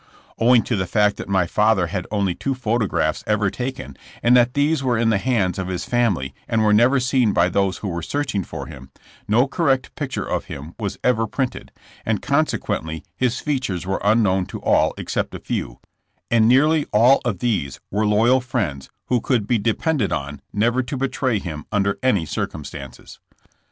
Owing to the fact that my father had only two photographs ever taken and that these were in the hands of his family and were never seen by those who were search ing for him, no correct picture of him was ever print ed, and consequently his features were unknown to all except a few, and nearly all of these were loyal friends who could be depended on never to betray him under any circumstances.